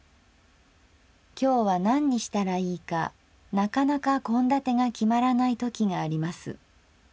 「今日は何にしたらいいかなかなか献立が決まらないときがあります。